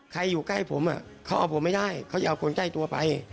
อยู่ใกล้ผมเขาเอาผมไม่ได้เขาจะเอาคนใกล้ตัวไป